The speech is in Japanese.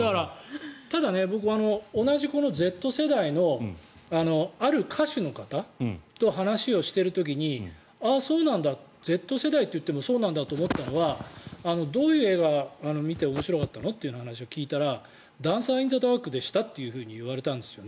ただ、僕、同じこのＺ世代のある歌手の方と話をしている時にああ、そうなんだＺ世代っていってもそうなんだと思ったのはどういう映画を見て面白かったのという話を聞いたら「ダンサー・イン・ザ・ダーク」でしたって言われたんです。